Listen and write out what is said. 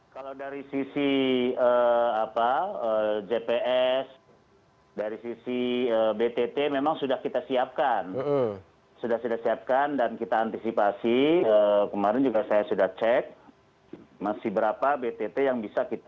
kalau dari sisi jps dari sisi btt memang sudah kita siapkan sudah sudah siapkan dan kita antisipasi kemarin juga saya sudah cek masih berapa btt yang bisa kita